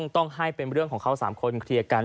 ต้องให้เป็นเรื่องของเขา๓คนเคลียร์กัน